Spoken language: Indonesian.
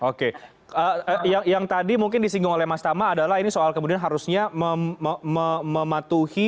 oke yang tadi mungkin disinggung oleh mas tama adalah ini soal kemudian harusnya mematuhi